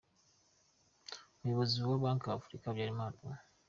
Umuyobozi wa Bank of Africa, Habyarimana U.